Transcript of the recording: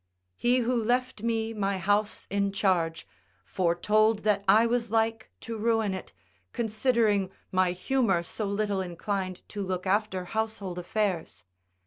He who left me my house in charge, foretold that I was like to ruin it, considering my humour so little inclined to look after household affairs.